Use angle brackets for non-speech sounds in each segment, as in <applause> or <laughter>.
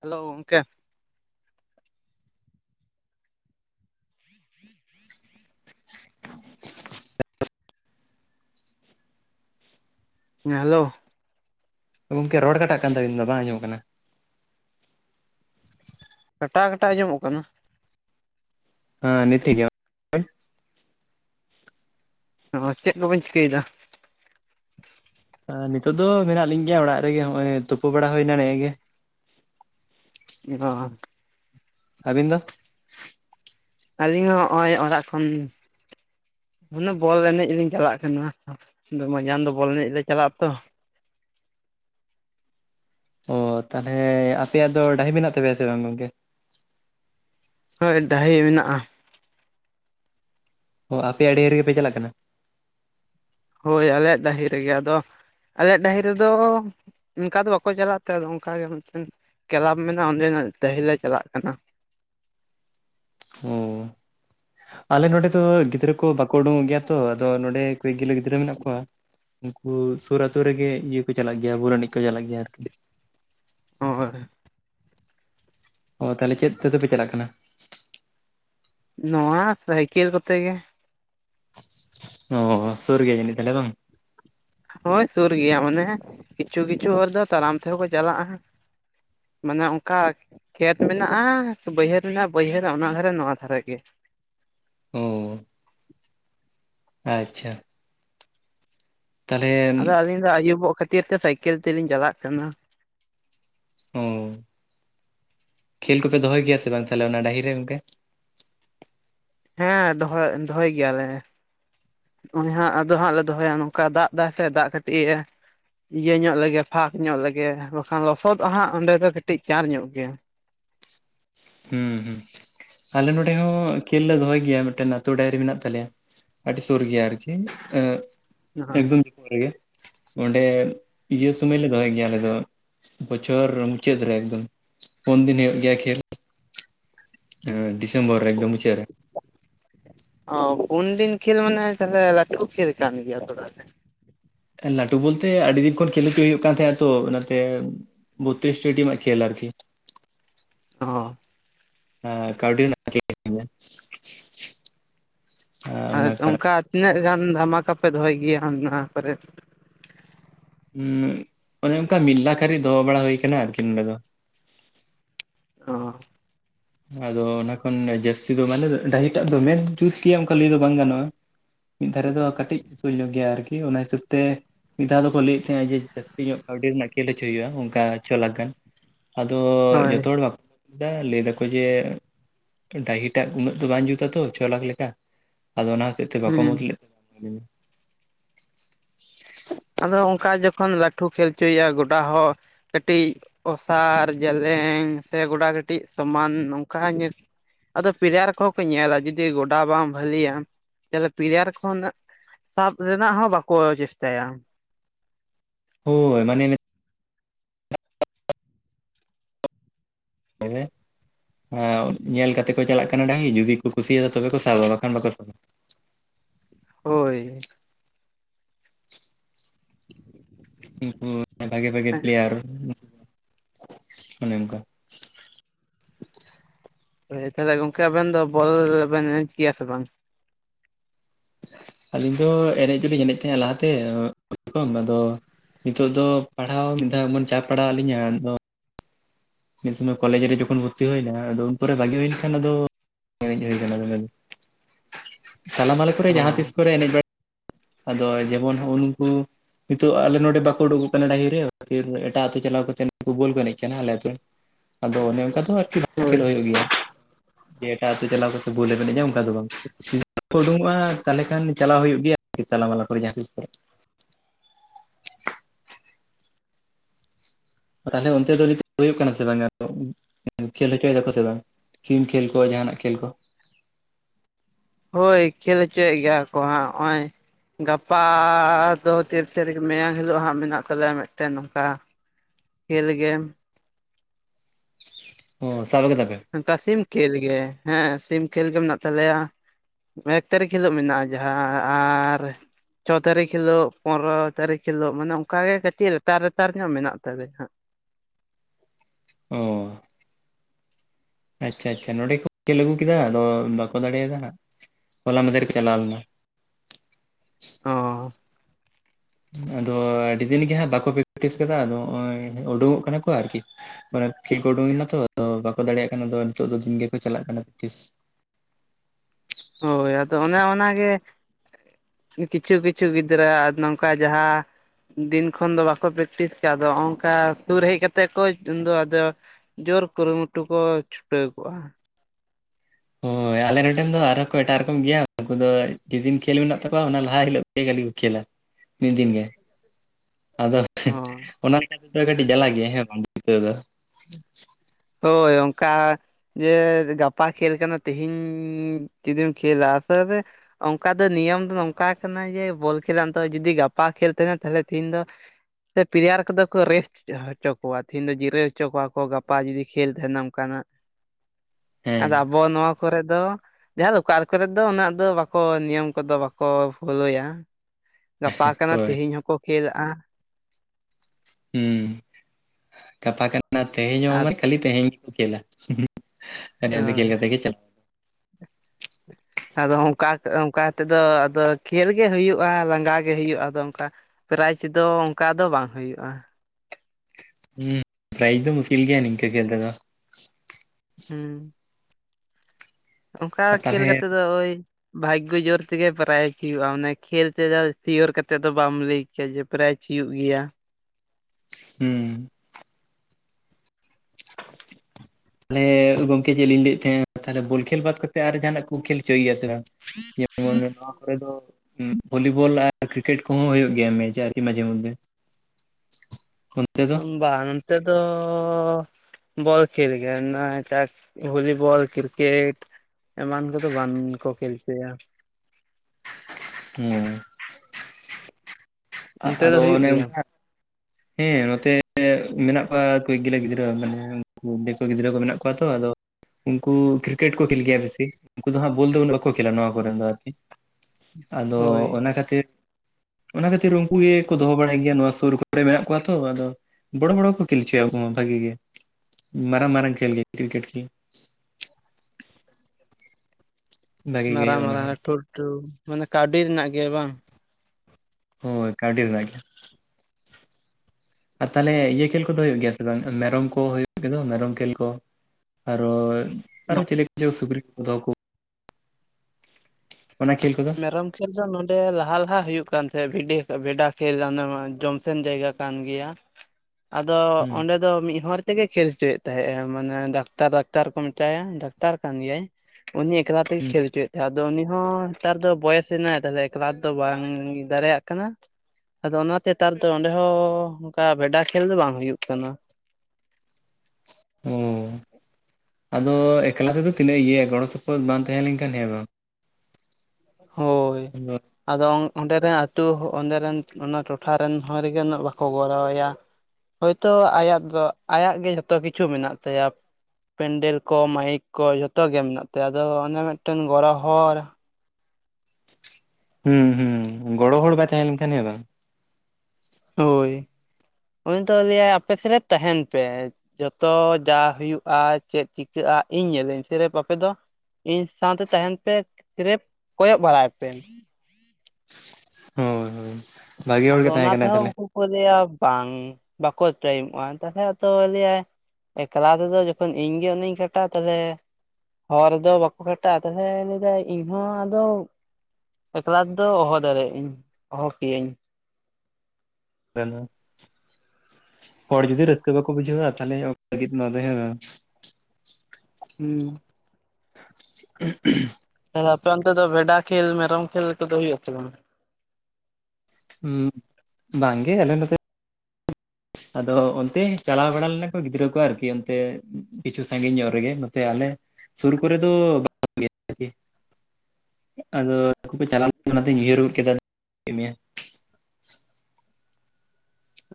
Hello ᱜᱚᱝᱠᱮ᱾ <unintelligible> ᱦᱮᱸ hello. ᱜᱚᱢᱠᱮ ᱨᱚᱲ ᱠᱟᱴᱟᱜ ᱠᱟᱱ ᱛᱟᱵᱤᱱ ᱫᱚ ᱵᱟᱝ ᱟᱸᱡᱚᱢᱚᱜ ᱠᱟᱱᱟ᱾ ᱠᱟᱴᱟ ᱠᱟᱴᱟ ᱟᱸᱡᱚᱢᱚᱜ ᱠᱟᱱᱟ᱾ ᱦᱚᱸ ᱱᱤᱛ ᱴᱷᱤᱠ ᱜᱮᱢᱟ ᱚ ᱪᱮᱫ ᱠᱚᱵᱮᱱ ᱪᱤᱠᱟᱹᱭᱮᱫᱟ? ᱱᱤᱛᱳᱜ ᱫᱚ ᱢᱮᱱᱟᱜ ᱞᱤᱧ ᱜᱮᱭᱟ ᱚᱲᱟᱜ ᱨᱮᱜᱮ ᱱᱚᱜ ᱚᱭ ᱛᱩᱯᱩ ᱵᱟᱲᱟ ᱦᱩᱭᱱᱟ ᱱᱮᱜ ᱮ ᱜᱮ। ᱪᱤᱦᱟ। <inaudible> ᱟᱵᱤᱱ ᱫᱚ? ᱟᱹᱞᱤᱧ ᱦᱚᱸ ᱱᱚᱜᱼᱚᱭ ᱚᱲᱟᱜ ᱠᱷᱚᱱᱼᱼ ᱢᱟᱱᱮ ᱵᱚᱞ ᱮᱱᱮᱡ ᱞᱤᱧ ᱪᱟᱞᱟᱜ ᱠᱟᱱᱟ ᱢᱟᱡᱟᱱ ᱫᱚ ᱵᱚᱞ ᱮᱱᱮᱡ ᱞᱮ ᱪᱟᱞᱟᱜ ᱟᱛᱚ। ᱚ ᱛᱟᱦᱚᱞᱮ ᱟᱯᱮᱭᱟᱜ ᱫᱚ ᱰᱟᱹᱦᱤ ᱢᱮᱱᱟᱜ ᱛᱟᱯᱮᱭᱟ ᱥᱮ ᱵᱟᱝ ᱜᱚᱝᱠᱮ। ᱦᱳᱭ ᱰᱟᱹᱦᱤ ᱢᱮᱱᱟᱜᱼᱟ। ᱚ ᱟᱯᱮᱭᱟᱜ ᱰᱟᱹᱦᱤ ᱨᱮᱜᱮ ᱯᱮ ᱪᱟᱞᱟᱜ ᱠᱟᱱᱟ। ᱦᱳᱭ ᱟᱞᱮᱭᱟᱜ ᱰᱟᱹᱦᱤ ᱨᱮᱜᱮ ᱟᱫᱚ ᱟᱞᱮᱭᱟᱜ ᱰᱟᱹᱦᱤ ᱨᱮᱫᱚᱼᱼ ᱚᱱᱠᱟ ᱫᱚ ᱵᱟᱝᱠᱚ ᱪᱟᱞᱟᱜ ᱛᱮ ᱟᱫᱚ ᱚᱱᱠᱟᱜᱮ ᱢᱤᱫᱴᱮᱱ ᱠᱮᱞᱟᱵᱽ ᱢᱮᱱᱟᱜᱼᱟ ᱚᱸᱰᱮᱱᱟᱜ ᱰᱟᱹᱦᱤᱞ ᱞᱮ ᱪᱟᱞᱟᱜ ᱠᱟᱱᱟ। ᱚ ᱟᱞᱮ ᱱᱚᱰᱮ ᱫᱚ ᱜᱤᱫᱽᱨᱟᱹᱼᱼ ᱠᱚ ᱵᱟᱠᱚ ᱩᱰᱩᱠᱚᱜ ᱜᱮᱭᱟ ᱛᱚ ᱟᱫᱚ ᱱᱚᱰᱮ ᱠᱚᱭᱮᱠ ᱜᱤᱞᱟᱹ ᱜᱤᱫᱽᱨᱟᱹ ᱢᱮᱱᱟᱜ ᱠᱚᱣᱟ। ᱩᱱᱠᱩ ᱥᱩᱨ ᱟᱹᱛᱩ ᱨᱮᱜᱮ ᱤᱭᱟᱹ ᱠᱚ ᱪᱟᱞᱟᱜ ᱜᱮᱭᱟ ᱵᱚᱞ ᱮᱱᱮᱡ ᱠᱚ ᱪᱟᱞᱟᱜ ᱜᱮᱭᱟ ᱟᱨᱠᱤ᱾ ᱦᱳᱭ। ᱚ ᱛᱟᱦᱚᱞᱮ ᱪᱮᱫ ᱛᱮᱫᱚ ᱯᱮ ᱪᱟᱞᱟᱜ ᱠᱟᱱᱟ। ᱱᱚᱣᱟ ᱥᱟᱭᱠᱮᱞ ᱠᱚᱛᱮ ᱜᱮ। ᱚ ᱥᱩᱨ ᱜᱮ ᱡᱟᱱᱤᱡ ᱛᱟᱞᱮ ᱵᱟᱝ। ᱦᱳᱭ ᱥᱩᱨ ᱜᱮᱭᱟ ᱚᱱᱮ ᱠᱤᱪᱷᱩ ᱠᱤᱪᱷᱩ ᱦᱚᱲ ᱫᱚ ᱛᱟᱲᱟᱢ ᱛᱮᱦᱚᱸ ᱠᱚ ᱪᱟᱞᱟᱜᱼᱟ। ᱢᱟᱱᱮ ᱚᱱᱠᱟᱼᱼ ᱠᱷᱮᱛ ᱢᱮᱱᱟᱜᱼᱟ ᱵᱟᱹᱭᱦᱟᱹᱲ ᱨᱮᱱᱟᱜ ᱵᱟᱹᱭᱦᱟᱹᱲ ᱨᱮ ᱚᱱᱟ ᱫᱷᱟᱨᱮ ᱱᱚᱣᱟ ᱫᱷᱟᱨᱮ ᱜᱮ। ᱳ ᱟᱪᱪᱷᱟ। ᱛᱟᱦᱚᱞᱮ ᱟᱫᱚ ᱟᱹᱞᱤᱧ ᱫᱚ ᱟᱭᱩᱵᱚᱜ ᱠᱷᱟᱹᱛᱤᱨ ᱛᱮ ᱥᱟᱭᱠᱮᱞ ᱛᱮᱞᱤᱧ ᱪᱟᱞᱟᱜ ᱠᱟᱱᱟ। ᱚ ᱠᱷᱮᱞ ᱠᱚᱯᱮ ᱫᱚᱦᱚᱭ ᱜᱮᱭᱟ ᱥᱮ ᱵᱟᱝ ᱛᱟᱦᱚᱞᱮ ᱚᱱᱟ ᱰᱟᱹᱦᱤᱨ ᱨᱮ ᱜᱚᱝᱠᱮ? ᱦᱮᱸ ᱫᱚᱦᱚᱭ ᱫᱚᱦᱚᱭ ᱜᱮᱭᱟᱞᱮ। ᱱᱚᱜᱼᱚᱭ ᱦᱟᱸᱜ ᱟᱫᱚ ᱦᱟᱸᱜ ᱞᱮ ᱫᱚᱦᱚᱭᱟ ᱱᱚᱝᱠᱟ ᱫᱟᱜ ᱮᱫᱟ ᱥᱮ ᱫᱟᱜ ᱠᱟᱹᱴᱤᱡᱼᱮᱻ᱾ ᱤᱭᱟᱹ ᱧᱚᱜ ᱞᱮᱜᱮ ᱯᱷᱟᱸᱠ ᱧᱚᱜ ᱞᱮᱜᱮ ᱵᱟᱝᱠᱷᱟᱱ ᱞᱚᱥᱚᱫᱚᱜ ᱦᱟᱸᱜ ᱚᱸᱰᱮ ᱫᱚ ᱠᱟᱹᱴᱤᱡ ᱪᱟᱨ ᱧᱚᱜ ᱜᱮᱭᱟ। ᱦᱩᱸ ᱦᱩᱸ ᱟᱞᱮ ᱱᱚᱰᱮ ᱦᱚᱸ ᱠᱷᱮᱞ ᱞᱮ ᱫᱚᱦᱚᱭ ᱜᱮᱭᱟ ᱢᱤᱫᱴᱮᱱ ᱟᱹᱛᱩ ᱰᱟᱦᱤ ᱢᱮᱱᱟᱜ ᱛᱟᱞᱮᱭᱟ। ᱟᱹᱰᱤ ᱥᱩᱨ ᱜᱮᱭᱟ ᱟᱨᱠᱤ ᱮᱦᱮᱜ। ᱮᱠᱫᱚᱢ ᱥᱳᱨ ᱜᱮᱭᱟ ᱚᱸᱰᱮ ᱤᱭᱟᱹ ᱥᱚᱢᱚᱭ ᱞᱮ ᱫᱚᱦᱚᱭ ᱜᱮᱭᱟ ᱟᱞᱮ ᱫᱚ᱾ ᱵᱚᱪᱷᱚᱨ ᱢᱩᱪᱟᱹᱫ ᱨᱮ ᱮᱠᱫᱚᱢ ᱯᱩᱱ ᱫᱤᱱ ᱦᱩᱭᱩᱜ ᱜᱮᱭᱟ ᱠᱷᱮᱞ। ᱦᱮ ᱰᱤᱥᱮᱢᱵᱚᱨ ᱮᱫᱚᱢ ᱢᱩᱪᱟᱹᱫ ᱨᱮ। ᱚ ᱩᱱᱫᱤᱱ ᱠᱷᱮᱞ ᱢᱟᱱᱮ ᱛᱟᱦᱚᱞᱮ ᱞᱟᱹᱴᱩ ᱠᱷᱮᱞ ᱠᱟᱱ ᱜᱮᱭᱟ ᱛᱚᱵᱮ। ᱞᱟᱹᱴᱩ ᱵᱚᱞᱛᱮ ᱟᱹᱰᱤ ᱫᱤᱱ ᱠᱷᱚᱱ ᱠᱷᱮᱞ ᱦᱚᱪᱚ ᱦᱩᱭᱩᱜ ᱠᱟᱱ ᱛᱟᱦᱮᱸᱱᱟ ᱛᱚ ᱚᱱᱟᱛᱮ ᱵᱚᱛᱛᱨᱤᱥ ᱴᱤ ᱴᱤᱢᱟᱜ ᱠᱷᱮᱞ ᱟᱨᱠᱤ। ᱚᱻ ᱦᱮ ᱠᱟᱣᱰᱤ ᱨᱮᱱᱟᱜ ᱠᱦᱮᱞ ᱠᱟᱱᱟ। ᱟᱨ ᱚᱱᱠᱟ ᱛᱤᱱᱟᱹᱜ ᱜᱟᱱ ᱫᱟᱢᱟᱠᱟᱯᱮ ᱫᱚᱦᱚᱭ ᱜᱮᱭᱟ ᱚᱱᱟ ᱠᱚᱨᱮ? ᱦᱩᱸ ᱚᱱᱮ ᱚᱱᱠᱟ ᱢᱤᱛ ᱞᱟᱠ ᱜᱟᱱ ᱨᱮ ᱫᱚᱦᱚ ᱵᱟᱲᱟ ᱦᱩᱭ ᱟᱠᱟᱱᱟ ᱟᱨᱠᱤ ᱱᱚᱰᱮ ᱫᱚ। ᱚ ᱟᱫᱚ ᱚᱱᱟ ᱠᱷᱚᱱ ᱡᱟᱹᱥᱛᱤ ᱫᱚ ᱢᱟᱱᱮ ᱰᱟᱹᱦᱤᱴᱟᱜ ᱫᱚ ᱢᱮᱱ ᱡᱩᱛ ᱜᱮ ᱚᱱᱠᱟ ᱞᱟᱹᱭ ᱫᱚ ᱵᱟᱝ ᱜᱟᱱᱚᱜᱼᱟ᱾ ᱢᱤᱫ ᱫᱷᱟᱨᱮ ᱫᱚ ᱠᱟᱹᱴᱤᱡ ᱥᱩᱨ ᱧᱚᱜ ᱜᱮᱭᱟ ᱟᱨᱠᱤ ᱚᱱᱟ ᱦᱤᱥᱟᱹᱵ ᱛᱮ। ᱢᱤᱫ ᱫᱷᱟᱣ ᱫᱚᱠᱚ ᱞᱟᱹᱭᱮᱫ ᱛᱟᱦᱮᱸᱱᱟ ᱡᱮ ᱡᱟᱹᱥᱛᱤ ᱧᱚᱜ ᱠᱟᱹᱣᱰᱤ ᱨᱮᱱᱟᱜ ᱠᱷᱮᱞ ᱦᱚᱪᱚ ᱦᱩᱭᱩᱜᱼᱟ, ᱚᱱᱠᱟ ᱪᱷᱚ ᱞᱟᱠᱷ ᱜᱟᱱ। ᱟᱫᱚ ᱦᱳᱭ ᱡᱚᱛᱚ ᱦᱚᱲ ᱵᱟ <unintelligible> ᱞᱟᱹᱭ ᱫᱟᱠᱚ᱾ ᱚᱫᱚ ᱡᱮ ᱰᱟᱹᱦᱤ ᱴᱟᱜ ᱩᱱᱟᱹᱜ ᱫᱚ ᱵᱟᱝ ᱡᱩᱛᱟ ᱛᱚ ᱪᱦᱚᱭ ᱞᱟᱠᱷ ᱞᱮᱠᱟ। ᱟᱫᱚ ᱚᱱᱟ ᱦᱚᱛᱮ ᱛᱮ ᱵᱟᱝᱠᱚ ᱦᱩᱸ ᱢᱚᱛ ᱞᱮᱫ ᱟᱫᱚ ᱚᱱᱠᱟ ᱡᱚᱠᱦᱚᱱ ᱞᱟᱹᱴᱩ ᱠᱷᱮᱞ ᱦᱚᱪᱚᱭᱟ ᱜᱚᱴᱟ ᱦᱚᱸ᱾ ᱠᱟᱹᱴᱤᱡ ᱚᱥᱟᱨ ᱡᱮᱞᱮᱧ ᱥᱮ ᱜᱚᱰᱟ ᱠᱟᱹᱴᱤᱡ ᱥᱚᱢᱟᱱ, ᱱᱚᱝᱠᱟ ᱧᱮᱞ ᱟᱫᱚ ᱯᱮᱞᱭᱟᱨ ᱠᱚᱦᱚᱸ ᱠᱚ ᱧᱮᱞᱟ ᱡᱩᱫᱤ ᱜᱚᱰᱟ ᱵᱟᱝ ᱵᱟᱹᱞᱤᱭᱟ ᱛᱟᱦᱚᱞᱮ ᱯᱮᱞᱭᱟᱨ ᱠᱚᱚᱱᱟᱜ᱾ ᱥᱟᱵ ᱨᱮᱱᱟᱜ ᱦᱚᱸ ᱵᱟᱠᱚ ᱪᱮᱥᱴᱟᱭᱟ᱾ ᱦᱳᱭ ᱢᱟᱱᱮ, ᱱᱤ ᱦᱮ- ᱦᱮᱸ ᱧᱮᱞ ᱠᱟᱛᱮ ᱠᱚ ᱪᱟᱞᱟᱜ ᱠᱟᱱᱟ ᱰᱟᱝᱤ ᱡᱩᱫᱤ ᱠᱚ ᱠᱩᱥᱤᱭᱟᱫᱟ ᱛᱚᱵᱮ ᱠᱚ ᱥᱟᱵᱟ ᱵᱟᱠᱷᱟᱱ ᱵᱟᱠᱚ ᱥᱟᱵᱟ᱾ ᱦᱳᱭ ᱠᱩ ᱦᱩᱭᱱᱟ ᱵᱟᱜᱮ ᱵᱷᱟᱜᱮ ᱯᱞᱭᱟᱨ ᱚᱱᱮ ᱚᱝᱠᱟ᱾ ᱦᱳᱭ ᱛᱟᱦᱚᱞᱮ ᱜᱚᱝᱠᱮ ᱟᱵᱮᱱ ᱫᱚ, ᱵᱚᱞ ᱵᱮᱱ ᱮᱱᱮᱡ ᱜᱮᱭᱟ ᱥᱮ ᱵᱟᱝ? ᱟᱹᱞᱤᱧ ᱫᱚ ᱮᱱᱮᱡ ᱫᱚᱞᱤᱧ ᱮᱱᱮᱡ ᱛᱟᱦᱮᱸᱱᱟ ᱞᱟᱦᱟᱛᱮ <unintelligible> ᱟᱫᱚ᱾ ᱱᱤᱛᱚᱜ ᱫᱚ ᱯᱟᱲᱦᱟᱣ ᱢᱤᱫ ᱫᱷᱟᱣ ᱮᱢᱚᱱ ᱪᱟᱯ ᱯᱟᱲᱟᱣᱟᱜ ᱞᱤᱧᱟ, ᱟᱫᱚ ᱢᱤᱫ ᱥᱚᱢᱚᱭ ᱠᱚᱞᱮᱡ ᱨᱮ ᱡᱚᱠᱷᱚᱱ ᱵᱷᱚᱨᱛᱤ ᱦᱩᱭᱱᱟ ᱟᱫᱚ ᱩᱱ ᱯᱚᱨᱮ ᱵᱟᱜᱤ ᱦᱩᱭᱮᱱ ᱠᱷᱟᱱ ᱟᱫᱚ ᱮᱱᱮᱡ ᱦᱩᱭ ᱠᱟᱱᱟ, ᱛᱟᱞᱟᱢᱟᱞᱟ ᱠᱚᱨᱮ ᱚ ᱡᱟᱦᱟᱸ ᱛᱤᱥ ᱠᱚᱨᱮ ᱮᱱᱮᱡ ᱵᱟᱲᱟ ᱟᱫᱚ ᱡᱮᱢᱚᱱ ᱦᱚᱜᱼᱚᱭ ᱩᱱᱠᱩ᱾ ᱱᱤᱛᱚᱜ ᱟᱞᱮ ᱱᱚᱸᱰᱮ ᱵᱟᱠᱚ ᱩᱰᱩᱠᱚᱜ ᱠᱟᱱᱟ ᱰᱟᱹᱦᱤ ᱨᱮ ᱠᱷᱟᱹᱛᱤᱨ ᱮᱴᱟᱜ ᱟᱹᱛᱩ ᱪᱟᱞᱟᱣ ᱠᱟᱛᱮᱫ ᱱᱩᱠᱩ ᱵᱚᱞ ᱠᱚ ᱮᱱᱮᱡ ᱠᱟᱱᱟ ᱟᱞᱮ ᱟᱹᱛᱩ ᱨᱮᱱ᱾ ᱟᱫᱚ ᱚᱱᱮ ᱚᱱᱠᱟ ᱫᱚ, ᱟᱨᱠᱤ ᱦᱳᱭ ᱠᱷᱮᱞ ᱦᱩᱭᱩᱜ ᱜᱮᱭᱟ, ᱡᱮ ᱮᱴᱟᱜ ᱟᱹᱛᱩ ᱪᱟᱞᱟᱣ ᱠᱟᱛᱮ ᱵᱳᱞᱮᱢ ᱮᱱᱮᱡ-ᱟ ᱚᱱᱠᱟ ᱫᱚ ᱵᱟᱝ᱾ ᱩᱰᱩᱝᱚᱜᱼᱟ ᱛᱟᱦᱚᱞᱮ ᱠᱷᱟᱱ ᱪᱟᱞᱟᱣ ᱦᱩᱭᱩᱜ ᱜᱮᱭᱟ ᱟᱨᱠᱤ <inaudible> ᱠᱚᱨᱮ ᱡᱟᱦᱟᱸ ᱛᱤᱥ ᱠᱚᱨᱮᱫ᱾ ᱛᱟᱦᱚᱞᱮ ᱚᱱᱛᱮ ᱫᱚ ᱱᱤᱛᱚᱜ ᱫᱚ ᱦᱩᱭᱩᱜ ᱠᱟᱱᱟ ᱥᱮ ᱵᱟᱝ ᱠᱷᱮᱞ ᱦᱚᱪᱚᱭ ᱫᱟᱠᱚ ᱥᱮ ᱵᱟᱝ? ᱥᱤᱢ ᱠᱷᱮᱞ ᱠᱚ ᱡᱟᱦᱟᱱᱟᱜ ᱠᱷᱮᱞ ᱠᱚ? ᱦᱳᱭ ᱠᱷᱮᱞ ᱦᱚᱪᱚᱭᱮᱫ ᱜᱮᱭᱟ ᱠᱚ ᱦᱟᱸᱜ ᱱᱚᱜᱼᱚᱭ ᱜᱟᱯᱟ ᱫᱚ ᱛᱤᱨᱤᱥ ᱛᱟᱨᱤᱠᱷ ᱢᱮᱭᱟᱝ ᱦᱤᱞᱳᱜ ᱦᱟᱸᱜ ᱢᱮᱱᱟᱜ ᱛᱟᱞᱮᱭᱟ ᱢᱤᱫᱴᱮᱱ ᱱᱚᱝᱠᱟ ᱠᱷᱮᱞ ᱜᱮᱢ ᱚ ᱥᱟᱵ ᱠᱟᱫᱟ ᱯᱮ? ᱚᱱᱠᱟ ᱥᱤᱢ ᱠᱷᱮᱞ ᱜᱮ ᱦᱮᱸ ᱥᱤᱢ ᱠᱷᱮᱞ ᱜᱮ ᱢᱮᱱᱟᱜ ᱛᱟᱞᱮᱭᱟ᱾ ᱮᱠ ᱛᱟᱹᱨᱤᱠᱷ ᱦᱤᱞᱳᱜ ᱢᱮᱱᱟᱜᱼᱟ ᱡᱟᱦᱟᱸ ᱟᱨ ᱪᱷᱚ ᱛᱟᱨᱤᱠᱷ ᱦᱤᱞᱳᱜ ᱯᱚᱱᱮᱨᱚ ᱛᱟᱨᱤᱠᱷ ᱦᱤᱞᱳ ᱢᱟᱱᱮ ᱚᱱᱠᱟ ᱜᱮ ᱠᱟᱹᱴᱤᱡ ᱞᱟᱛᱟᱨ ᱞᱟᱛᱟᱨ ᱧᱚᱜ ᱢᱮᱱᱟᱜ ᱛᱟᱞᱮᱭᱟ ᱦᱟᱸᱜ᱾ ᱚᱻ ᱟᱪᱪᱷᱟ ᱟᱪᱪᱷᱟ ᱱᱚᱰᱮ ᱠᱚ ᱠᱷᱮᱞ ᱟᱹᱜᱩ ᱠᱮᱫᱟ ᱟᱫᱚ ᱵᱟᱠᱚ ᱫᱟᱲᱮᱭᱟᱫᱟ ᱱᱟᱸᱜ ᱦᱚᱞᱟ ᱢᱟᱫᱷᱮᱨ ᱨᱮ ᱠᱚ ᱪᱟᱞᱟᱣ ᱞᱮᱱᱟ ᱾ ᱚᱻ ᱟᱫᱚ ᱟᱹᱰᱤ ᱫᱤᱱ ᱜᱮ ᱦᱟᱸᱜ ᱵᱟᱠᱚ ᱯᱮᱠᱴᱤᱥ ᱠᱟᱫᱟ ᱟᱫᱚ ᱱᱚᱜᱚᱭ ᱩᱰᱩᱠᱚᱜ ᱠᱟᱱᱟ ᱠᱚ ᱟᱨᱠᱤ᱾ ᱠᱷᱮᱞ ᱠᱚ ᱩᱰᱩᱠ ᱦᱳᱭ ᱞᱮᱱᱟ ᱛᱚ ᱵᱟᱠᱚ ᱫᱟᱲᱮᱭᱟᱜ ᱠᱟᱱᱟ ᱱᱤᱛᱚᱜ ᱫᱚ ᱫᱤᱱ ᱜᱮᱠᱚ ᱪᱟᱞᱟᱜ ᱠᱟᱱᱟ ᱯᱨᱮᱠᱴᱤᱥ ᱾ ᱦᱳᱭ ᱟᱫᱚ ᱚᱱᱮ ᱚᱱᱟᱜᱮ ᱠᱤᱪᱷᱩ ᱠᱤᱪᱷᱩ ᱜᱤᱫᱽᱨᱟᱹᱟᱜ ᱱᱚᱝᱠᱟ ᱡᱟᱦᱟᱸ ᱫᱤᱱ ᱠᱷᱚᱱ ᱫᱚ ᱵᱟᱠᱚ ᱯᱮᱠᱴᱤᱥ ᱛᱮ ᱟᱫᱚ ᱚᱝᱠᱟ ᱥᱩᱨ ᱦᱮᱡ ᱠᱟᱛᱮᱜ ᱠᱚ ᱩᱱᱫᱚ ᱟᱫᱚ ᱡᱳᱨ ᱠᱩᱨᱩᱢᱩᱴᱩ ᱠᱚ ᱪᱷᱩᱴᱟᱹᱣ ᱠᱚᱜᱼᱟ᱾ ᱦᱳᱭ ᱟᱞᱮ ᱱᱚᱸᱰᱮᱱ ᱫᱚ ᱟᱨᱦᱚᱸ ᱠᱚ ᱮᱴᱟᱜ ᱨᱚᱠᱚᱢ ᱜᱮᱭᱟ ᱩᱱᱠᱩ ᱫᱚ ᱡᱮᱫᱤᱱ ᱠᱷᱮᱞ ᱢᱮᱱᱟᱜ ᱛᱟᱠᱚᱣᱟ ᱚᱱᱟ ᱞᱟᱦᱟ ᱦᱤᱞᱳᱜ <inaudible> ᱢᱤᱫ ᱫᱤᱱ ᱜᱮ ᱟᱫᱚ ᱦᱳᱭ ᱚᱱᱟ ᱞᱮᱠᱟ ᱛᱮᱫᱚ ᱠᱟᱹᱴᱤᱡ ᱡᱟᱞᱟ ᱜᱮᱭᱟ ᱦᱮᱸ ᱵᱟᱝ ᱡᱤᱛᱟᱹᱣ ᱫᱚ᱾ ᱦᱳᱭ ᱚᱱᱠᱟ ᱡᱮ ᱜᱟᱯᱟ ᱠᱷᱮᱞ ᱠᱟᱱᱟ ᱛᱮᱦᱤᱧ ᱡᱩᱫᱤᱢ ᱠᱷᱮᱞᱟ ᱟᱥᱮ ᱚᱱᱠᱟ ᱫᱚ ᱱᱤᱭᱚᱢ ᱫᱚ ᱱᱚᱝᱠᱟ ᱠᱟᱱᱟ ᱡᱮ ᱵᱚᱞ ᱠᱷᱮᱞᱛᱮ ᱡᱩᱫᱤ ᱜᱟᱯᱟ ᱠᱷᱮᱞ ᱛᱟᱦᱮᱱᱟ ᱛᱟᱦᱚᱞᱮ ᱛᱮᱦᱤᱧ ᱫᱚ ᱯᱞᱮᱭᱟᱨ ᱠᱚᱫᱚ ᱠᱚ ᱨᱮᱥᱴ ᱦᱚᱪᱚ ᱠᱚᱣᱟ ᱛᱤᱦᱤᱧ ᱫᱚ ᱡᱤᱨᱟᱹᱣ ᱦᱚᱪᱚ ᱠᱚᱣᱟ ᱠᱚ ᱜᱟᱯᱟ ᱡᱩᱫᱤ ᱠᱷᱮᱞ ᱛᱟᱦᱮᱱᱟ ᱚᱱᱠᱟᱱᱟᱜ ᱦᱮᱸ ᱟᱫᱚ ᱟᱵᱚ ᱱᱚᱣᱟ ᱠᱚᱨᱮ ᱫᱚ ᱡᱟᱦᱟᱸ ᱞᱳᱠᱟᱞ ᱠᱚᱨᱮ ᱫᱚ ᱩᱱᱟᱹᱜ ᱫᱚ ᱵᱟᱠᱚ ᱱᱤᱭᱚᱢ ᱠᱚᱫᱚ ᱵᱟᱠᱚ ᱯᱷᱳᱞᱳᱭᱟ᱾ ᱜᱟᱯᱟ ᱠᱟᱱᱟ ᱦᱳᱭ ᱛᱮᱦᱤᱧ ᱦᱚᱸᱠᱚ ᱠᱷᱮᱞᱟᱜᱼᱟ᱾ ᱦᱩᱸ ᱠᱟᱛᱷᱟ ᱠᱟᱱᱟ ᱛᱮᱦᱮᱧ ᱦᱚ ᱟᱨ ᱠᱷᱟᱹᱞᱤ ᱛᱮᱦᱮᱧ ᱜᱮᱠᱚ ᱠᱷᱮᱞ-ᱟ ᱠᱷᱮᱞ ᱦᱳᱭ ᱠᱟᱛᱮ ᱜᱮ ᱪᱟᱞᱟᱣ ᱟᱫᱚ ᱚᱱᱠᱟ ᱚᱱᱠᱟ ᱠᱟᱛᱮᱫ ᱫᱚ ᱟᱫᱚ ᱠᱷᱮᱞ ᱜᱮ ᱦᱩᱭᱩᱜᱼᱟ ᱞᱟᱸᱜᱟ ᱜᱮ ᱦᱩᱭᱩᱜᱼᱟ ᱟᱫᱚ ᱚᱱᱠᱟ ᱯᱮᱨᱟᱭᱤᱡᱽ ᱫᱚ ᱚᱱᱠᱟ ᱫᱚ ᱵᱟᱝ ᱦᱩᱭᱩᱜᱼᱟ᱾ ᱦᱩᱸ ᱯᱮᱨᱟᱭᱤᱡ ᱫᱚ ᱢᱩᱥᱠᱤᱞ ᱜᱮᱭᱟ ᱱᱤᱝᱠᱟᱹ ᱠᱷᱮᱞ ᱛᱮᱫᱚ᱾ ᱦᱩᱸ ᱾ ᱚᱱᱠᱟ ᱠᱷᱮᱞ ᱛᱟᱦᱚᱞᱮ ᱠᱟᱛᱮᱫ ᱫᱚ ᱳᱭ ᱵᱷᱟᱡᱜᱳ ᱡᱳᱨ ᱛᱮᱜᱮ ᱯᱮᱨᱟᱭᱤᱡ ᱦᱩᱭᱩᱜᱼᱟ ᱚᱱᱮ ᱠᱷᱮᱞ ᱛᱮᱫᱚ ᱥᱤᱭᱳᱨ ᱠᱟᱛᱮᱫ ᱫᱚ ᱵᱟᱢ ᱞᱟᱹᱭ ᱪᱮᱫ ᱡᱮ ᱯᱮᱨᱟᱭᱤᱡ ᱦᱩᱭᱩᱜ ᱜᱮᱭᱟ᱾ ᱦᱩᱸ ᱾ <unintelligible> ᱛᱟᱦᱚᱞᱮ ᱜᱚᱝᱠᱮ ᱪᱮᱫ ᱞᱤᱧ ᱞᱟᱹᱭᱮᱫ ᱛᱟᱦᱮᱹ ᱛᱟᱦᱚᱞᱮ ᱵᱚᱞ ᱠᱷᱮᱞ ᱵᱟᱫ ᱠᱟᱛᱮᱫ ᱟᱨ ᱡᱟᱦᱟᱱᱟᱜ ᱠᱚ ᱠᱷᱮᱞ ᱦᱚᱪᱚᱭ ᱜᱮᱭᱟ ᱥᱮ ᱵᱟᱝ? ᱡᱮᱢᱚᱱ ᱱᱚᱣᱟ ᱠᱚᱨᱮ ᱫᱚ ᱵᱷᱚᱞᱤᱵᱚᱞ ᱟᱨ ᱠᱨᱤᱠᱮᱴ ᱠᱚᱦᱚᱸ ᱦᱩᱭᱩᱜ ᱜᱮᱭᱟ ᱟᱨᱠᱤ ᱢᱟᱡᱷᱮ ᱢᱚᱫᱽᱫᱷᱮ ᱾ ᱵᱟᱝ ᱱᱚᱛᱮ ᱫᱚᱻ ᱵᱚᱞ ᱠᱷᱮᱞ ᱜᱮ ᱵᱷᱚᱞᱤᱵᱚᱞ ᱠᱨᱤᱠᱮᱴ ᱮᱢᱟᱱ ᱠᱚᱫᱚ ᱵᱟᱝ ᱠᱚ ᱠᱷᱮᱞᱪᱳᱭᱟ᱾ ᱦᱩᱸ᱾ ᱚᱱᱛᱮ ᱟᱫᱚ ᱫᱚ ᱦᱩᱭᱩᱜ ᱚᱱᱮ ᱜᱮᱭᱟ ᱚᱱᱠᱟ ᱦᱮᱸ ᱱᱚᱛᱮ ᱢᱮᱱᱟᱜ ᱠᱚᱣᱟ ᱠᱚᱭᱮᱠ ᱜᱩᱞᱟᱹ ᱜᱤᱫᱽᱨᱟᱹ ᱢᱟᱱᱮ ᱫᱤᱠᱩ ᱜᱤᱫᱽᱨᱟᱹ ᱠᱚ ᱢᱮᱱᱟᱜ ᱠᱚᱣᱟ ᱛᱚ ᱟᱫᱚ ᱩᱱᱠᱩ ᱠᱨᱤᱠᱮᱴ ᱠᱚ ᱠᱷᱮᱞ ᱜᱮᱭᱟ ᱵᱮᱥᱤ, ᱩᱱᱠᱩ ᱫᱚ ᱦᱟᱸᱜ ᱵᱳᱞ ᱫᱚ ᱵᱟᱠᱚ ᱠᱷᱮᱞᱟ ᱱᱚᱶᱟ ᱠᱚᱨᱮᱱ ᱫᱚ ᱟᱨᱠᱤ, <inaudible> ᱟᱫᱚ ᱚᱱᱟ ᱠᱷᱟᱹᱛᱤᱨ <inaudible> ᱚᱱᱟ ᱠᱷᱟᱹᱛᱤᱨ ᱩᱱ ᱩᱱᱤ ᱜᱮᱠᱚ ᱫᱚᱦᱚ ᱵᱟᱲᱟᱭ ᱜᱮᱭᱟ ᱱᱚᱣᱟ ᱥᱩᱨ ᱠᱚᱨᱮ ᱢᱮᱱᱟᱜ ᱠᱚᱣᱟ ᱛᱚ ᱟᱫᱚ, ᱵᱚᱲᱚ ᱵᱚᱲᱚ ᱠᱚ ᱠᱷᱮᱞ ᱦᱚᱪᱩᱭᱟ ᱠᱚᱮ ᱵᱷᱟᱜᱤ ᱜᱮ, ᱢᱟᱨᱟᱝ ᱢᱟᱨᱟᱝ ᱠᱷᱮᱞ ᱜᱮ ᱠᱨᱤᱠᱮᱴ ᱠᱷᱮᱞ᱾ ᱵᱷᱟᱜᱤ ᱜᱮ ᱢᱟᱨᱟᱝ ᱦᱩᱭᱩᱜᱼᱟ ᱚᱱᱟ ᱢᱟᱨᱟᱝ ᱦᱚᱸ ᱞᱟᱹᱴᱩ ᱞᱟᱹᱴᱩ ᱢᱟᱱᱮ ᱠᱟᱹᱣᱰᱤ ᱨᱮᱱᱟᱜ ᱜᱮ ᱵᱟᱝ᱾ ᱦᱳᱭ ᱠᱟᱣᱰᱤ ᱨᱮᱱᱟᱜ ᱜᱮ᱾ ᱟᱨ ᱛᱟᱦᱚᱞᱮ ᱤᱭᱟᱹ ᱠᱷᱮᱞ ᱠᱚᱫᱚ ᱦᱩᱭᱩᱜ ᱜᱮᱭᱟ ᱥᱮ ᱵᱟᱝ? ᱢᱮᱨᱚᱢ ᱠᱚ ᱦᱩᱭᱩᱜ ᱜᱮᱫᱚ ᱢᱮᱨᱚᱢ ᱠᱷᱮᱞ ᱠᱚ ᱟᱨᱚ ᱟᱨᱚ ᱪᱮᱞᱤ ᱥᱩᱠᱨᱤ ᱠᱚ ᱫᱚᱦᱚ ᱠᱚ ᱚᱱᱟ ᱠᱷᱮᱞ ᱠᱚᱫᱚ ᱢᱮᱨᱚᱢ᱾ ᱠᱷᱮᱞ ᱫᱚ ᱱᱚᱸᱰᱮ ᱞᱟᱦᱟ ᱞᱟᱦᱟ ᱦᱩᱭᱩᱜ ᱠᱟᱱ ᱛᱟᱦᱮᱸ ᱰᱷᱤᱰᱤ, ᱵᱷᱮᱰᱟ ᱠᱷᱮᱞ ᱚᱱᱟ ᱡᱚᱢᱥᱮᱱ ᱡᱟᱭᱜᱟ ᱠᱟᱱ ᱜᱮᱭᱟ᱾ <inaudible> ᱟᱫᱚ ᱦᱩᱸ ᱚᱸᱰᱮ ᱟᱫᱚ ᱢᱤᱫ ᱦᱚᱲ ᱛᱮᱜᱮ ᱠᱷᱮᱞ ᱦᱚᱪᱚᱭᱮᱫ ᱛᱟᱦᱮᱸᱜ, ᱮ ᱢᱟᱱᱮ ᱰᱟᱠᱛᱟᱨ ᱰᱟᱠᱛᱟᱨ ᱠᱚ ᱢᱮᱛᱟᱭᱟ ᱰᱟᱠᱛᱟᱨ ᱠᱟᱱ ᱜᱮᱭᱟᱭ᱾ ᱩᱱᱤ ᱮᱠᱷᱞᱟ ᱛᱮᱜᱮ ᱦᱩᱸ ᱠᱷᱮᱞ ᱦᱚᱪᱚᱭᱮᱫ ᱛᱟᱦᱮᱸᱫ ᱟᱫᱚ ᱩᱱᱤ ᱦᱚᱸ ᱱᱮᱛᱟᱨ ᱫᱚ ᱵᱚᱭᱮᱥ ᱮᱱᱟ ᱛᱟᱦᱚᱞᱮ ᱮᱠᱷᱞᱟ ᱛᱮᱫᱚ ᱵᱟᱝ ᱫᱟᱲᱮᱭᱟᱜ ᱠᱟᱱᱟ᱾ ᱟᱫᱚ ᱚᱱᱟ ᱛᱮ ᱦᱮᱛᱟᱨ ᱫᱚ ᱚᱸᱰᱮ ᱦᱚᱸ ᱚᱱᱠᱟ ᱵᱷᱮᱰᱟ ᱠᱷᱮᱞ ᱫᱚ ᱵᱟᱝ ᱦᱩᱭᱩᱜ ᱠᱟᱱᱟ᱾ ᱚ <unintelligible> ᱟᱫᱚ ᱮᱠᱞᱟ ᱛᱮᱫᱚ ᱛᱤᱱᱟᱹᱜ ᱤᱭᱟᱹᱭᱟ ᱜᱚᱲᱚ ᱥᱚᱯᱚᱦᱚᱫ ᱵᱟᱝ ᱛᱟᱦᱮᱸ ᱞᱮᱱᱠᱷᱟᱱ ᱦᱮᱸ ᱵᱟᱝ, ᱦᱳᱭ᱾ ᱟᱫᱚ ᱟᱫᱚ ᱚᱸᱰᱮ ᱨᱮᱱ ᱟᱹᱛᱩ ᱚᱸᱰᱮ ᱨᱮᱱ ᱚᱱᱟ ᱴᱚᱴᱷᱟ ᱨᱮᱱ ᱦᱚᱲ ᱜᱮ ᱩᱱᱟᱹᱜ ᱵᱟᱠᱚ ᱜᱚᱲᱚ ᱟᱭᱟ᱾ ᱦᱳᱭᱛᱳ ᱟᱭᱟᱜ ᱫᱚ ᱟᱭᱟᱜ ᱜᱮ ᱡᱷᱚᱛᱚ ᱠᱤᱪᱷᱩ ᱢᱮᱱᱟᱜ ᱛᱟᱭᱟ᱾ ᱯᱮᱱᱰᱮᱞ ᱠᱚ ᱢᱟᱭᱤᱠ ᱠᱚ ᱡᱚᱛᱚ ᱜᱮ ᱢᱮᱱᱟᱜ ᱛᱟᱭᱟ ᱟᱫᱚ ᱚᱱᱮ ᱢᱤᱫᱴᱮᱱ ᱜᱚᱲᱚ ᱦᱚᱲ ᱦᱩᱸ ᱦᱩᱸ, ᱜᱚᱲᱚ ᱦᱚᱲ ᱵᱟᱭ ᱛᱟᱦᱮᱸ ᱞᱮᱱ ᱠᱷᱟᱱ ᱦᱮ ᱵᱟᱝ, ᱦᱳᱭ, ᱩᱱᱤ ᱫᱚ ᱞᱟᱹᱭᱟᱭ ᱟᱯᱮ ᱥᱮᱨᱟᱹᱯ ᱛᱟᱦᱮᱱ ᱯᱮ᱾ ᱡᱚᱛᱚ ᱡᱟ ᱦᱩᱭᱩᱜᱼᱟ ᱪᱮᱫ ᱪᱤᱠᱟᱹᱜᱼᱟ ᱤᱧ ᱧᱮᱞᱟᱹᱧ ᱥᱮᱨᱟᱹᱯ ᱟᱯᱮ ᱫᱚ ᱤᱧ ᱥᱟᱶᱛᱮ ᱛᱟᱦᱮᱱ ᱯᱮ ᱥᱮᱨᱮᱯ ᱠᱚᱭᱚᱜ ᱵᱟᱲᱟᱭ ᱯᱮ᱾ ᱦᱳᱭ ᱦᱳᱭ, ᱵᱷᱟᱜᱮ ᱦᱚᱲ ᱟᱫᱚ ᱜᱮ ᱛᱟᱦᱮᱸ ᱚᱱᱟ ᱠᱟᱱᱟᱭ ᱛᱮᱦᱚᱸ ᱛᱟᱦᱚᱞᱮ᱾ ᱩᱱᱠᱩ ᱠᱚ ᱞᱟᱹᱭᱟ ᱵᱟᱝ ᱵᱟᱠᱚ ᱴᱟᱭᱤᱢᱚᱜᱼᱟ, ᱛᱟᱦᱚᱞᱮ ᱟᱫᱚ ᱞᱟᱹᱭᱟᱭ ᱮᱠᱞᱟ ᱛᱮᱫᱚ ᱡᱚᱠᱷᱚᱱ ᱤᱧᱜᱮ ᱩᱱᱟᱹᱜ ᱤᱧ ᱠᱷᱴᱟᱜᱼᱟ, ᱛᱟᱦᱞᱮ ᱦᱚᱨ ᱫᱚ ᱵᱟᱠᱚ ᱠᱷᱟᱴᱟᱜᱼᱟ, ᱛᱟᱦᱚᱞᱮ ᱞᱟᱹᱭ ᱫᱟᱭ ᱤᱧ ᱦᱚᱸ ᱟᱫᱚ ᱮᱠᱞᱟ ᱛᱮᱫᱚ ᱦᱚᱦᱚ ᱫᱟᱲᱮᱭᱟᱜ ᱟᱹᱧ, ᱦᱚᱦᱚ ᱠᱮᱭᱟᱹᱧ᱾ <unintelligible> ᱦᱚᱲ ᱡᱩᱫᱤ ᱟᱫᱚ ᱨᱟᱹᱥᱠᱟᱹ ᱵᱟᱠᱚ ᱵᱩᱡᱷᱟᱹᱣᱟ ᱛᱟᱦᱞᱮ <unintelligible> ᱞᱟᱹᱜᱤᱫ ᱱᱚᱣᱟ ᱫᱚ ᱦᱮᱸ ᱵᱟᱝ, ᱦᱩᱸ᱾ <inaudible> ᱛᱟᱦᱚᱞᱮ ᱟᱯᱮ ᱚᱱᱛᱮ ᱫᱚ ᱵᱷᱮᱰᱟ ᱠᱷᱮᱞ ᱢᱮᱨᱚᱢ ᱠᱷᱮᱞ ᱠᱚᱫᱚ ᱦᱩᱭᱩᱜ ᱟ ᱥᱮ ᱵᱟᱝ? ᱦᱩᱸ᱾ ᱵᱟᱝ ᱜᱮ ᱟᱞᱮ ᱱᱚᱛᱮ ᱟᱫᱚ ᱚᱱᱛᱮ ᱪᱟᱞᱟᱣ ᱵᱟᱲᱟ ᱞᱮᱱᱟ ᱠᱚ ᱜᱤᱫᱽᱨᱟᱹ ᱠᱚ ᱟᱨᱠᱤ, ᱚᱱᱛᱮ ᱠᱤᱪᱷᱩ ᱥᱟᱺᱜᱤᱧ ᱧᱚᱜ ᱨᱮᱜᱮ ᱱᱚᱛᱮ ᱟᱞᱮ ᱥᱩᱨ ᱠᱚᱨᱮ ᱫᱚ <unintelligible> ᱟᱫᱚ ᱪᱟᱞᱟᱣ ᱚᱱᱟᱛᱮᱧ ᱩᱭᱦᱟᱹᱨ ᱜᱚᱫ ᱠᱮᱫᱟ, ᱢᱮᱭᱟ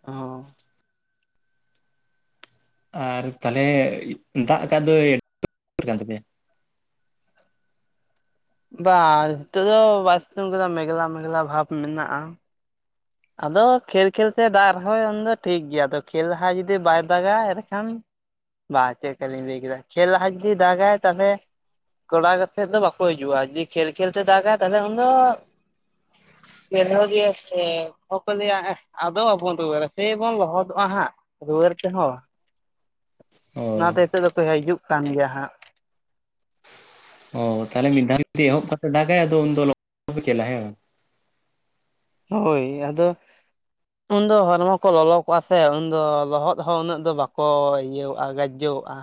ᱦᱚᱸ᱾ ᱟᱨ ᱛᱟᱦᱚᱞᱮ ᱫᱟᱜ ᱟᱠᱟᱫ ᱫᱚᱭ <unintelligible> ᱠᱟᱱ ᱛᱟᱯᱮᱭᱟ? ᱵᱟᱝ ᱱᱤᱛᱚᱜ ᱫᱚ ᱵᱟᱭ ᱥᱤᱛᱩᱝ ᱠᱟᱫᱟ ᱢᱮᱜᱷᱞᱟ ᱢᱮᱜᱷᱞᱟ ᱵᱷᱟᱵ ᱢᱮᱱᱟᱜ-ᱟ᱾ ᱟᱫᱚ ᱠᱷᱮᱞ ᱠᱷᱮᱞ ᱛᱮ ᱫᱟᱜ ᱨᱮᱦᱚᱭ ᱩᱱᱫᱚ ᱴᱷᱤᱠ ᱜᱮᱭᱟ ᱟᱫᱚ ᱠᱷᱮᱞ ᱞᱟᱦᱟ ᱡᱩᱫᱤ ᱵᱟᱭ ᱫᱟᱜᱟ ᱮᱱᱠᱷᱟᱱ ᱵᱟᱝ ᱪᱮᱫᱠᱟ ᱞᱤᱧ ᱞᱟᱹᱭ ᱠᱮᱫᱟ ᱠᱷᱮᱞ ᱞᱟᱦᱟ ᱡᱩᱫᱤᱭ ᱫᱟᱜᱟᱭ ᱛᱟᱦᱚᱞᱮ ᱠᱚᱲᱟ ᱜᱟᱛᱮᱜ ᱫᱚ ᱵᱟᱠᱚ ᱦᱤᱡᱩᱜᱼᱟ ᱡᱩᱫᱤ ᱠᱷᱮᱞ ᱠᱷᱮᱞ ᱛᱮ ᱫᱟᱜᱟ ᱛᱟᱦᱚᱞᱮ ᱩᱱ ᱫᱚ ᱵᱤᱫᱷᱣᱟᱹ ᱜᱮᱭᱟᱭ ᱥᱮ ᱚᱠᱚ ᱞᱟᱹᱭᱟ ᱦᱮᱸ ᱟᱫᱚ ᱵᱟᱵᱚᱱ ᱨᱩᱣᱟᱹᱲᱟ ᱥᱮᱭ ᱵᱚᱱ ᱞᱚᱦᱚᱫᱚᱜᱼᱟ ᱦᱟᱸᱜ ᱨᱩᱣᱟᱹᱲ ᱛᱮᱦᱚᱸ᱾ ᱚ ᱚᱱᱟ ᱦᱚᱛᱮᱡ ᱛᱮᱫᱚ ᱠᱚ ᱦᱤᱡᱩᱜ ᱠᱟᱱ ᱜᱮᱭᱟ ᱦᱟᱸᱜ᱾ ᱚ ᱛᱟᱦᱞᱮ ᱢᱤᱫᱷᱟᱣ ᱨᱮᱯᱮ ᱮᱦᱚᱵ <unintelligible> ᱠᱷᱮᱞᱟ ᱦᱮᱸ ᱵᱟᱝ? ᱦᱳᱭ ᱟᱫᱚ ᱩᱱᱫᱚ ᱦᱚᱲᱢᱚ ᱠᱚ ᱞᱚᱞᱚ ᱠᱚᱜᱼᱟ ᱥᱮ ᱩᱱᱫᱚ ᱞᱚᱦᱚᱫ ᱦᱚ ᱩᱱᱟᱹᱜ ᱫᱚ ᱵᱟᱠᱚ ᱤᱭᱟᱹᱟᱜ-ᱟ ᱜᱟ ᱡᱚᱜᱼᱟ᱾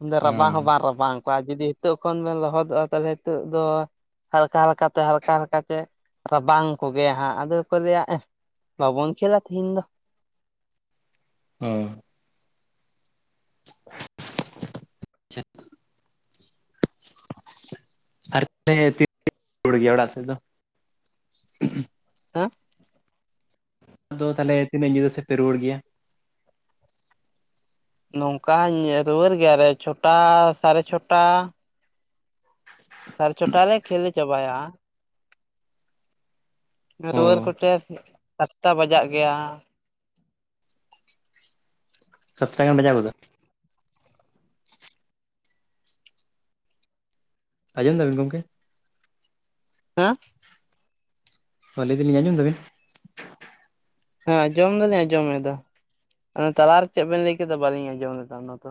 ᱩᱱ ᱫᱚ ᱨᱟᱵᱟᱝ ᱦᱚᱸ ᱦᱮᱸ ᱵᱟᱝ ᱨᱟᱵᱟᱝ ᱠᱚᱣᱟ ᱡᱩᱫᱤ ᱱᱤᱛᱚᱜ ᱠᱷᱚᱱ ᱵᱮᱱ ᱞᱚᱦᱚᱫᱚᱜᱼᱟ ᱛᱟᱦᱚᱞᱮ ᱱᱤᱛᱚᱜ ᱫᱚ ᱦᱟᱞᱠᱟ ᱦᱟᱞᱠᱟᱛᱮ ᱦᱟᱞᱠᱟ ᱦᱟᱞᱠᱟᱛᱮ ᱨᱟᱵᱟᱝ ᱠᱚ ᱜᱮᱭᱟ ᱦᱟᱸᱜ ᱟᱫᱚ ᱠᱚ ᱞᱟᱹᱭᱟ ᱮᱸ ᱵᱟᱵᱚᱱ ᱠᱷᱮᱞᱟ ᱛᱮᱦᱮᱸᱧ ᱫᱚ᱾ ᱚᱻ ᱟᱪᱪᱷᱟ᱾ ᱟᱨ <unintelligible> ᱚᱲᱟᱜ ᱥᱮᱫ ᱫᱚ? ᱦᱮᱸ᱾ ᱟᱫᱚ ᱛᱟᱦᱚᱞᱮ ᱛᱤᱱᱟᱹᱜ ᱧᱤᱫᱟᱹ ᱥᱮᱫ ᱯᱮ ᱨᱩᱣᱟᱹᱲ ᱜᱮᱭᱟ? ᱱᱚᱝᱠᱟ ᱨᱩᱣᱟᱹᱲ ᱜᱮᱭᱟᱞᱮ ᱪᱷᱚᱴᱟ ᱥᱟᱲᱮ ᱪᱷᱚᱴᱟ᱾ ᱥᱟᱲᱮ ᱪᱷᱚᱴᱟ ᱨᱮ ᱠᱷᱮᱞ ᱞᱮ ᱪᱟᱵᱟᱭᱟ᱾ ᱦᱮᱸ ᱚ ᱨᱩᱣᱟᱹᱲ ᱠᱚᱛᱮ ᱥᱟᱛ ᱴᱟ ᱵᱟᱡᱟᱜ ᱜᱮᱭᱟ᱾ ᱥᱟᱛ ᱴᱟ ᱜᱟᱱ ᱵᱟᱡᱟᱭ ᱜᱚᱫᱚᱜ-ᱟ᱾ ᱟᱸᱡᱚᱢ ᱫᱟᱵᱤᱱ ᱜᱚᱝᱠᱮ? ᱦᱮᱸ ᱚ ᱞᱟᱹᱭ ᱫᱤᱞᱤᱧ ᱟᱸᱡᱚᱢ ᱫᱟ ᱵᱤᱱ? ᱦᱮᱸ ᱟᱸᱡᱚᱢ ᱫᱚᱞᱤᱧ ᱟᱸᱡᱚᱢ ᱮᱫᱟ ᱚᱱᱮ ᱛᱟᱞᱟᱨᱮ ᱪᱮᱫ ᱵᱮᱱ ᱞᱟᱹᱭ ᱠᱮᱫᱟ ᱵᱟᱹᱞᱤᱧ ᱟᱸᱡᱚᱢ ᱞᱮᱫᱟ ᱚᱱᱟ ᱫᱚ?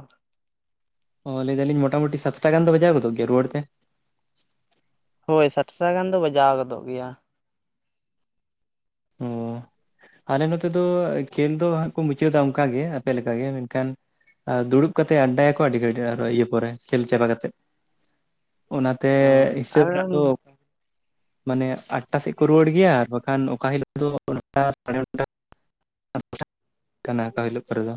ᱚ ᱞᱟᱹᱭ ᱫᱟᱞᱤᱧ ᱢᱳᱴᱟᱢᱳᱴᱤ ᱥᱟᱛ ᱴᱟ ᱜᱟᱱ ᱫᱚ ᱵᱟᱡᱟᱣ ᱜᱚᱫᱚᱜ ᱜᱮᱭᱟ ᱨᱩᱣᱟᱹᱲ ᱛᱮ? ᱦᱳᱭ ᱥᱟᱛ ᱴᱟ ᱜᱟᱱ ᱫᱚ ᱵᱟᱡᱟᱣ ᱜᱚᱫᱚᱜ ᱜᱮᱭᱟ᱾ ᱚ <inaudible> ᱟᱞᱮ ᱱᱚᱛᱮ ᱫᱚ ᱠᱷᱮᱞ ᱫᱚ ᱦᱟᱸᱜ ᱠᱚ ᱢᱩᱪᱟᱹᱫᱟ ᱚᱱᱠᱟᱜᱮ ᱟᱯᱮᱠᱟᱜᱮ ᱢᱮᱱᱠᱷᱟᱱ ᱟᱨ ᱫᱩᱲᱩᱵ ᱠᱟᱛᱮᱫ ᱟᱰᱰᱟᱭᱟᱠᱚ ᱟᱹᱰᱤ ᱜᱷᱟᱹᱲᱤᱡ ᱟᱨ ᱤᱭᱟᱹ ᱯᱚᱨᱮ ᱠᱷᱮᱞ ᱪᱟᱵᱟ ᱠᱟᱛᱮᱫ᱾ ᱚᱱᱟᱛᱮ ᱦᱳᱭ ᱦᱤᱥᱟᱹᱵᱽ ᱟᱨ ᱨᱮᱱᱟᱜ ᱫᱚ ᱢᱟᱱᱮ ᱟᱴᱴᱟ ᱥᱮᱫ ᱠᱚ ᱨᱩᱣᱟᱹᱲ ᱜᱮᱭᱟ ᱟᱨᱦᱚᱸ ᱠᱷᱟᱱ ᱚᱠᱟ ᱦᱤᱞᱳᱜ ᱫᱚ <unintelligible> ᱠᱟᱱᱟ ᱚᱠᱟ ᱦᱤᱞᱳᱜ ᱠᱚᱨᱮ ᱫᱚ᱾